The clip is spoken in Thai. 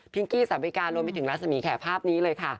พิงกี้สัพเบอิการรวมไปถึงรัสสมีแขกภาพนี้เลยค่ะ